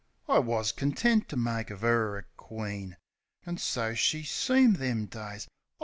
I wus content to make of 'er a queen; An' so she seemed them days